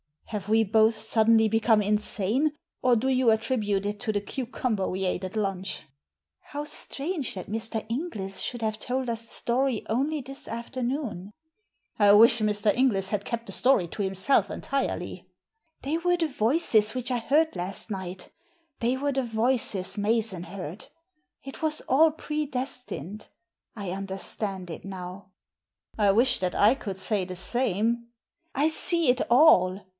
"Have we both suddenly become insane, or do you attribute it to the cucumber we ate at lunch ?"" How strange that Mr. Inglis should have told us the story only this afternoon." " I wish Mr. Inglis had kept the story to himself entirely." "They were the voices which I heard last night They were the voices Mason heard. It was all pre destined. I understand it now." " I wish that I could say the same." "I see it all!"